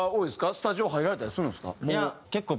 スタジオ入られたりするんですか？